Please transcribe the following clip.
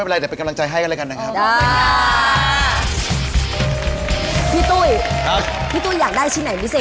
ไม่ได้แล้วมันเป็นดวงชาตาของคุณคุณเจมส์